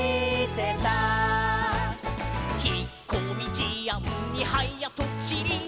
「ひっこみじあんにはやとちり」